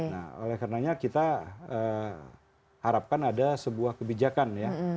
nah oleh karenanya kita harapkan ada sebuah kebijakan ya